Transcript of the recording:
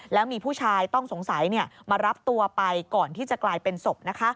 แล้วมีผู้ชายต้องสงสัยมารับตัวไปก่อนที่จะกลายเป็นศพ